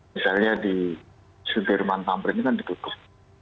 misalnya di sudirman tampere ini kan ditutup